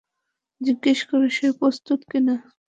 জিজ্ঞেস কর সে প্রস্তুত কি-না?